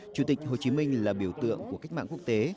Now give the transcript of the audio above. chủ tịch hồ chí minh là biểu tượng của cách mạng quốc tế